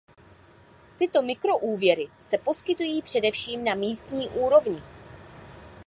Tyto mikroúvěry se poskytují především na místní úrovni.